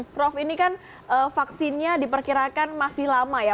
prof ini kan vaksinnya diperkirakan masih lama ya